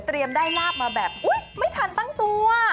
เตรียมได้ลาฟมาแบบอุ๊ยไม่ทันตั้งตัว